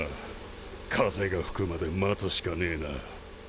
風がふくまで待つしかねえな。